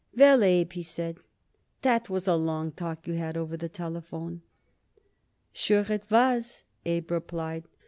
"Well, Abe," he said, "that was a long talk you had over the telephone." "Sure it was," Abe replied.